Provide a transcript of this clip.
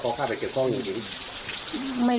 ก็ไม่เป็นคนดี